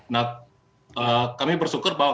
nah kami bersyukur bahwa